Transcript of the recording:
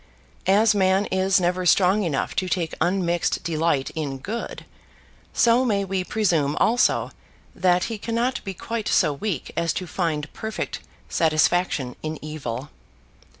As man is never strong enough to take unmixed delight in good, so may we presume also that he cannot be quite so weak as to find perfect satisfaction in evil.